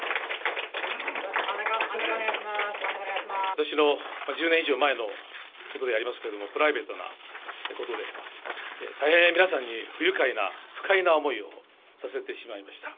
私の１０年以上前のことでありますけれどもプライベートなことで大変皆さんに不愉快な、不快な思いをさせてしまいました。